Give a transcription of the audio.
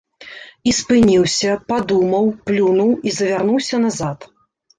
І спыніўся, падумаў, плюнуў і завярнуўся назад.